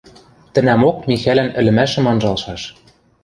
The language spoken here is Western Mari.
Тӹнӓмок Михӓлӓн ӹлӹмӓшӹм анжалшаш.